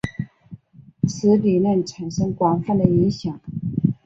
此理论产生广泛的影响。